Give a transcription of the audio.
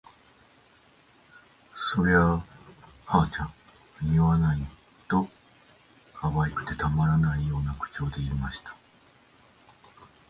「それあ、葉ちゃん、似合わない」と、可愛くてたまらないような口調で言いました